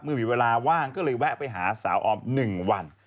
เมื่อมีเวลาว่างก็เลยแวะไปหาสาวออม๑วัน